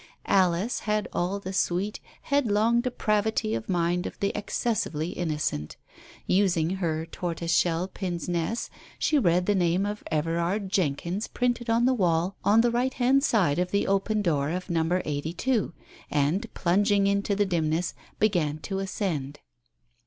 Alice had all the sweet, headlong depravity of mind of the excessively innocent. Using her tortoise shell pince nez, she read the name of Everard Jenkyns printed on the wall on the right hand side of the open door of number eighty two, and plunging into the dim ness, began to ascend.